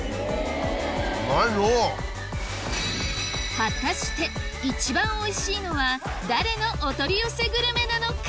果たして一番おいしいのは誰のお取り寄せグルメなのか？